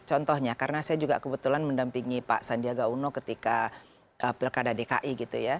contohnya karena saya juga kebetulan mendampingi pak sandiaga uno ketika pilkada dki gitu ya